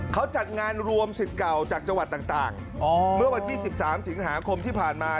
เขาจัดงานรวมสิทธิ์เก่าจากจังหวัดต่างเมื่อวันที่๑๓สิงหาคมที่ผ่านมา